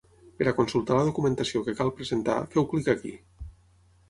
Per a consultar la documentació que cal presentar, feu clic aquí.